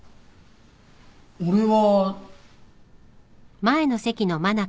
俺は。